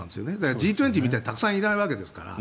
Ｇ２０みたいにたくさんいないわけですから。